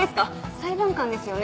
裁判官ですよね。